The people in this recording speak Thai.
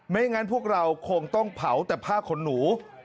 อย่างนั้นพวกเราคงต้องเผาแต่ผ้าขนหนู